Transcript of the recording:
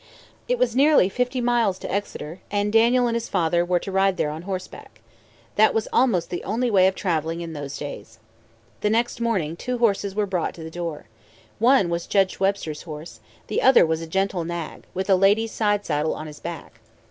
It was nearly fifty miles to Exeter, and Daniel and his father were to ride there on horseback. That was almost the only way of traveling in those days. The next morning two horses were brought to the door. One was Judge Webster's horse, the other was a gentle nag, with a lady's side saddle on his back.